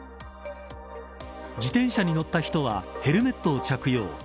自転車に乗った人はヘルメットを着用。